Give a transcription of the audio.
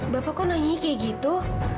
bapak kok nanya kayak gitu